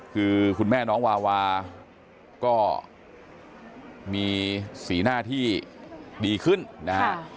คือคุณแม่น้องวาวาก็มีสีหน้าที่ดีขึ้นนะฮะ